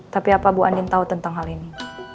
tapi apa bu andin tahu tentang hal ini